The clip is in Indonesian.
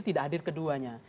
tidak hadir keduanya